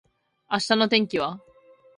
明日の天気は？